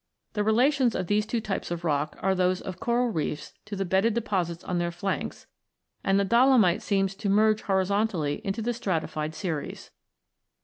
The relations of these two types of rock are those of coral reefs to the bedded deposits on their flanks, and the dolomite seems to merge horizontally into the stratified series.